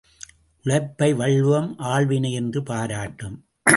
உழைப்பை வள்ளுவம் ஆள்வினை என்று பாராட்டும்.